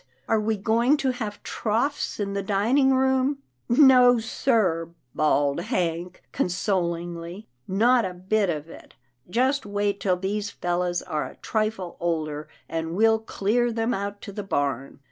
Are we going to have troughs in the dining room ?"" No, sir," bawled Hank, consolingly, " not a bit of it. Just wait till these fellows are a trifle older, and we'll clear them out to the barn."